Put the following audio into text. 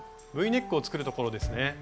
Ｖネックを作るところですね。